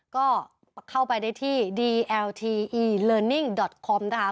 ก็เข้าไปได้ที่ดีเอลทีอีเลอร์นิ่งดอทคอมนะคะ